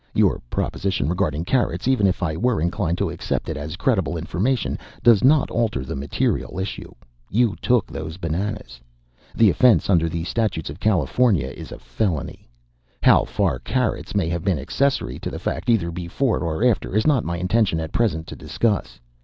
Your proposition regarding Carrots, even if I were inclined to accept it as credible information, does not alter the material issue. You took those bananas. The offense under the Statutes of California is felony. How far Carrots may have been accessory to the fact either before or after, is not my intention at present to discuss.